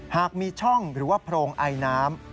หากมีช่องหรือว่าโพรงไอน้ำ